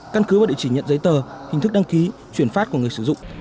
căn cứ và địa chỉ nhận giấy tờ hình thức đăng ký chuyển phát của người sử dụng